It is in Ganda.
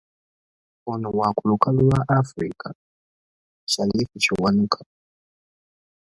Ono wa ku lukalu lwa Africa, Shafic Kiwanuka.